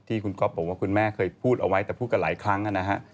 ที่คุณก๊อฟบอกว่าคุณแม่เคยพูดเอาไว้แต่พูดกันหลายครั้งนะฮะ